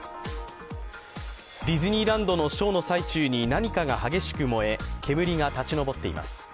ディズニーランドのショーの最中に何かが激しく燃え煙が立ち上っています。